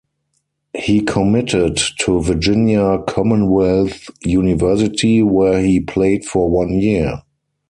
He committed to Virginia Commonwealth University where he played for one year.